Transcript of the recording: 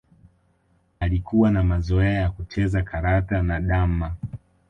Alikuwa na mazoea ya kucheza karata na damma